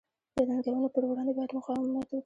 د ننګونو پر وړاندې باید مقاومت وکړي.